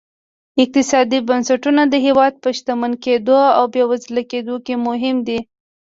اقتصادي بنسټونه د هېواد په شتمن کېدو او بېوزله کېدو کې مهم دي.